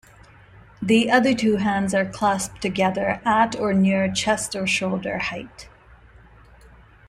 The other two hands are clasped together at or near chest or shoulder height.